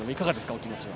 お気持ちは。